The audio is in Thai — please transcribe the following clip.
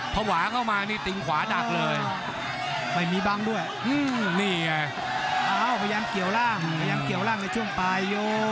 พอขวาก็มานี่ตีงขวาดักเลยก็อยากมาให้เห็นมีบางด้วย